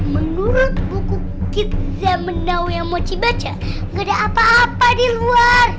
menurut buku kitza mendau yang mochi baca gak ada apa apa di luar